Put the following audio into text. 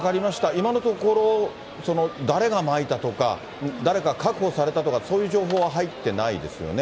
今のところ、誰がまいたとか、誰か確保されたとか、そういう情報は入っていないですよね。